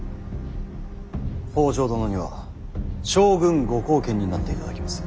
北条殿には将軍ご後見になっていただきます。